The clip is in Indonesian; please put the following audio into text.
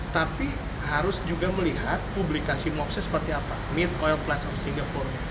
tapi harus juga melihat publikasi mops nya seperti apa mean of plate singapore